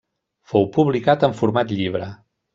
Fou publicat en format llibre.